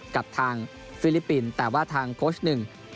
กับทางฟิลิปปินส์แต่ว่าทางโค้ชหนึ่ง